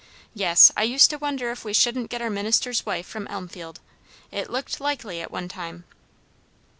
"Yes, I used to wonder if we shouldn't get our minister's wife from Elmfield. It looked likely at one time."